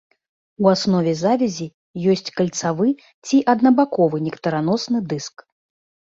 У аснове завязі ёсць кальцавы ці аднабаковы нектараносны дыск.